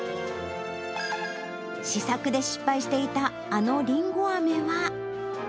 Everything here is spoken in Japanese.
試作で失敗していた、あのりんごあめは？